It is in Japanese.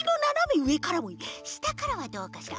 したからはどうかしら？